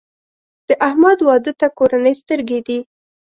د احمد واده ته کورنۍ سترګې دي.